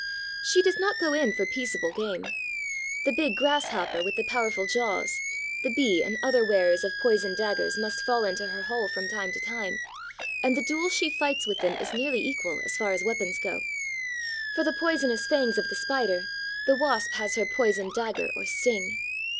She does not go in for peaceable game. The big Grasshopper, with the powerful jaws, the Bee and other wearers of poisoned daggers must fall into her hole from time to time, and the duel she fights with them is nearly equal as far as weapons go. For the poisonous fangs of the Spider the Wasp has her poisoned dagger or sting.